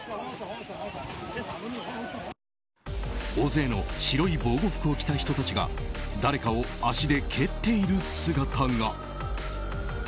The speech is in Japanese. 大勢の白い防護服を着た人たちが誰かを足で蹴っている姿が。